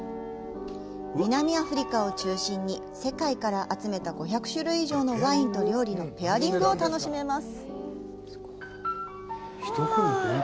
南アフリカを中心に世界から集めた５００種類以上のワインと料理のペアリングを楽しめます。